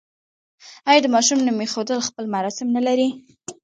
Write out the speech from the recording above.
آیا د ماشوم نوم ایښودل خپل مراسم نلري؟